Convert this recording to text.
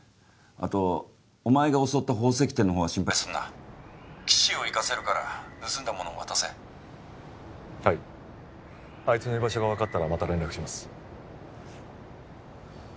あとお前が襲った宝石店のほうは心配するな☎岸を行かせるから盗んだものを渡せはいあいつの居場所が分かったらまた連絡します